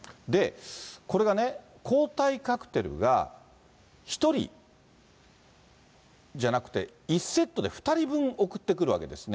これがね、抗体カクテルが１人じゃなくて、１セットで２人分送ってくるわけですね。